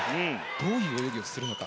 どういう泳ぎをするのか。